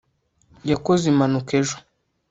yakoze imanuka ejo